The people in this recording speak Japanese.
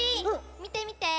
みてみて！